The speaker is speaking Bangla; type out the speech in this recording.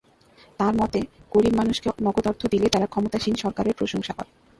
তাঁর মতে, গরিব মানুষকে নগদ অর্থ দিলে তারা ক্ষমতাসীন সরকারের প্রশংসা করে।